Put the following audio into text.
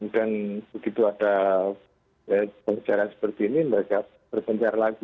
dan begitu ada pengejaran seperti ini mereka berbencar lagi